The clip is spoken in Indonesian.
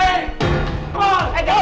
eh bukan dulu